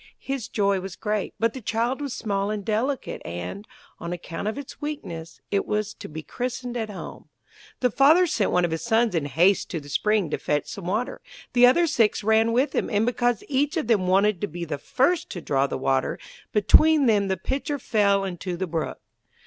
His joy was great, but the child was small and delicate, and, on account of its weakness, it was to be christened at home. The Father sent one of his sons in haste to the spring to fetch some water; the other six ran with him, and because each of them wanted to be the first to draw the water, between them the pitcher fell into the brook.